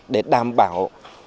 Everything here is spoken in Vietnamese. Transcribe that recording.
để đảm bảo